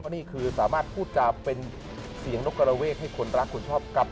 นี่คือสามารถพูดจาเป็นเสียงนกกระเวทให้คนรักคุณชอบกับ